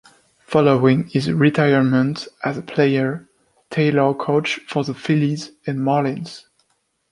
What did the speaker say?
Following his retirement as a player, Taylor coached for the Phillies and Marlins.